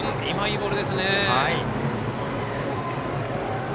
いいボールですね。